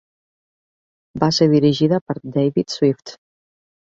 Va ser dirigida per David Swift.